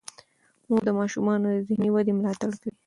مور د ماشومانو د ذهني ودې ملاتړ کوي.